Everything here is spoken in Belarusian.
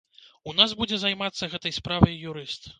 У нас будзе займацца гэтай справай юрыст.